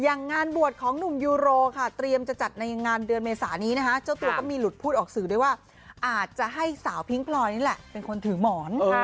งานบวชของหนุ่มยูโรค่ะเตรียมจะจัดในงานเดือนเมษานี้นะคะเจ้าตัวก็มีหลุดพูดออกสื่อด้วยว่าอาจจะให้สาวพิ้งพลอยนี่แหละเป็นคนถือหมอน